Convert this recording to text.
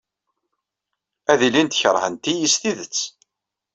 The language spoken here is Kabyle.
Ad ilint kerhent-iyi s tidet.